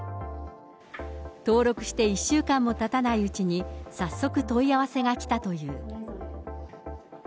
登録して１週間もたたないうちに、早速、問い合わせが来たという。